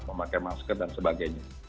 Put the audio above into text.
memakai masker dan sebagainya